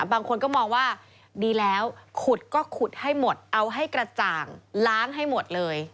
บางคนก็มองว่าดีแล้วขุดก็ขุดให้หมดเอาให้กระจ่างล้างให้หมดเลย